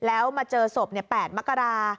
แล้วมาเจอศพแปดมะกะรา